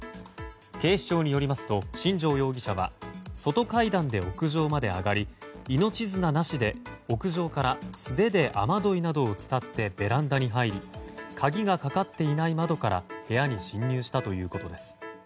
警視庁によりますと新城容疑者は外階段で屋上まで上がり命綱なしで屋上から素手で雨どいなどを伝ってベランダに入り鍵がかかっていない窓から部屋に侵入したということです。